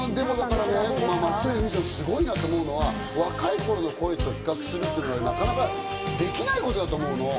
松任谷由実さん、すごいなと思うのは若い頃の声と比較するっていうのは、なかなかできないことだと思うの。